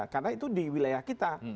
karena itu di wilayah kita